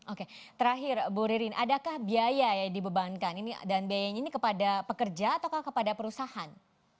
oke terakhir bu ririn adakah biaya yang dibebankan dan biayanya ini kepada pekerja atau kepada perusahaan